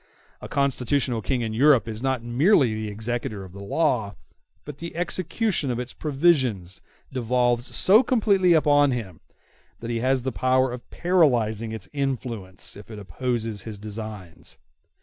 A constitutional King in Europe is not merely the executor of the law, but the execution of its provisions devolves so completely upon him that he has the power of paralyzing its influence if it opposes his designs.